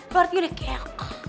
lo harusnya udah kek